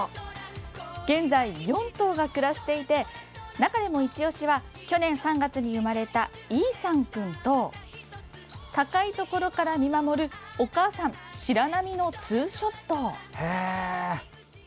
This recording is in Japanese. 現在、４頭が暮らしていて中でもいち押しは去年３月に生まれたイーサン君と高いところから見守るお母さん、シラナミのツーショット。